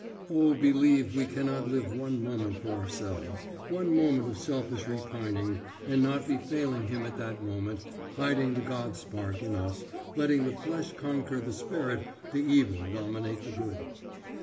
0 believe we cannot live one moment for ourselves, one moment of selfish repining, and not be failing him at that moment, hiding the God spark in us, letting the flesh conquer the spirit, the evil dominate the good.